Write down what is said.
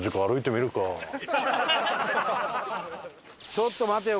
ちょっと待てよ。